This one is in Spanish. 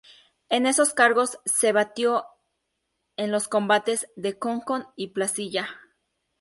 En esos cargos se batió en los combates de Concón y Placilla.